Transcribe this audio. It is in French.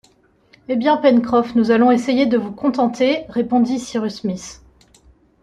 Eh bien, Pencroff, nous allons essayer de vous contenter, répondit Cyrus Smith